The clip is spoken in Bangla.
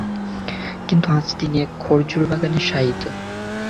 কিন্তু আজ তিনি এক খর্জুর বাগানে শায়িত।